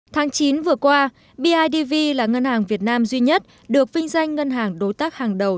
tháng chín vừa qua bidv là ngân hàng việt nam duy nhất được vinh danh ngân hàng đối tác hàng đầu